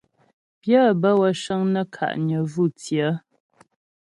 Pyə́ bə́wə́ cəŋ nə́ ka'nyə vú tsyə.